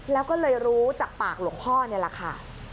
แล้วก็เลยรู้จากปากหลวงพ่อนี่แหละค่ะ